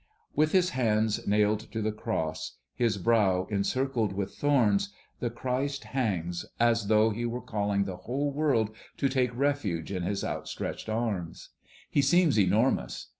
With his hands nailed to the cross, his brow encircled with thorns, the Christ hangs, as though he were calling the whole world to take refuge in his outstretched arms. He seems enormous.